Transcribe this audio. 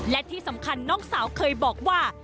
และที่สำคัญน้องสาวเคยบอกว่า